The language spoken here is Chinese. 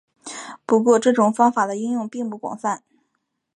不过这种方法的应用并不广泛。